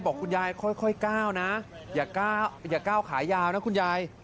บอกคุณยายค่อยก้าวนะอย่าก้าวขายาวนะคุณยาย